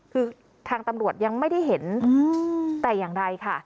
คือทางตำรวจยังไม่ได้เห็นแต่อย่างใดค่ะ